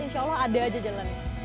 insya allah ada aja jalan